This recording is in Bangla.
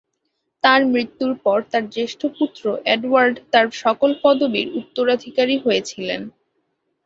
তার মৃত্যুর পর তার জ্যেষ্ঠ পুত্র এডওয়ার্ড তার সকল পদবীর উত্তরাধিকারী হয়েছিলেন।